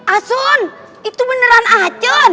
asun itu beneran asun